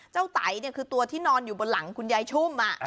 ไตคือตัวที่นอนอยู่บนหลังคุณยายชุ่ม